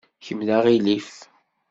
Kemm d aɣilif.